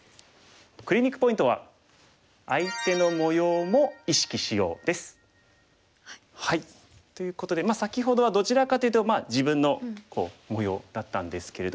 クリニックポイントは。ということで先ほどはどちらかというと自分の模様だったんですけれども。